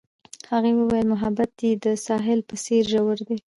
هغې وویل محبت یې د ساحل په څېر ژور دی.